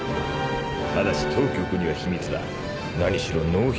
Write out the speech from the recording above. ただし当局には秘密だ何しろ納品